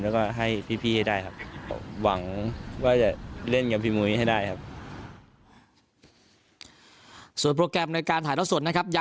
แล้วก็ให้พี่ให้ได้ครับ